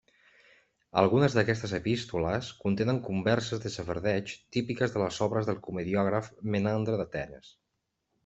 Algunes d'aquestes epístoles contenen converses de xafardeig típiques de les obres del comediògraf Menandre d'Atenes.